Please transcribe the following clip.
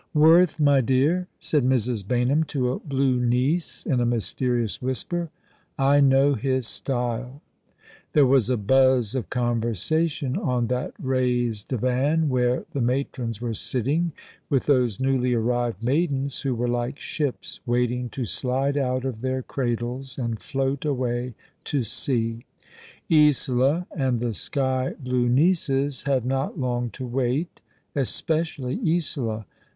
"■ Worth, my dear," said Mrs. Baynham to a blue niece, in a mysterious whisper ;" I know his style." There was a buzz of conversation on that raised divan where the matrons were sitting with those newly arrived maidens who were like ships waiting to slide out of their cradles and float away to sea. Isola and the sky blue nieces had not long to wait ; especially Isola.